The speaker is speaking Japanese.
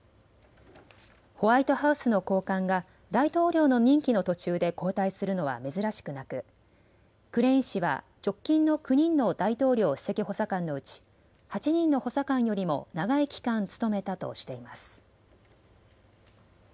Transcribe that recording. ホワイトハウスの高官が大統領の任期の途中で交代するのは珍しくなくクレイン氏は直近の９人の大統領首席補佐官のうち８人の補佐官よりも長い期間務めたとしています。